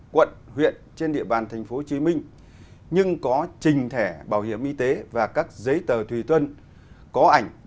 quận huyện trên địa bàn thành phố hồ chí minh nhưng có trình thẻ bảo hiểm y tế và các giấy tờ tùy thân có ảnh